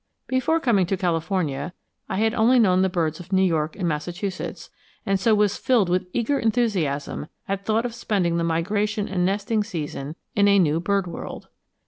Before coming to California, I had known only the birds of New York and Massachusetts, and so was filled with eager enthusiasm at thought of spending the migration and nesting season in a new bird world.